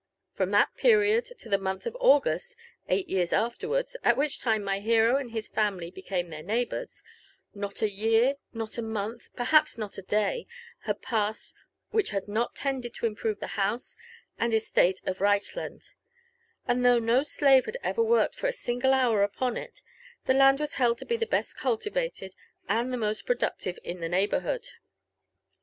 From Ihat period, to the month of August, eight years afterwards, at which time my hero and his family became their neighbours, not a year, not a month — perhaps not a day had passed, which had not tended to improve the house and estate of Reichland ; and though no slave had ever worked for a single hour upon it, the land was held to be the best cultivated and most productive in the neighbourhood.